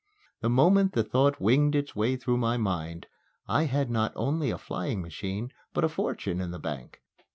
The moment the thought winged its way through my mind, I had not only a flying machine, but a fortune in the bank.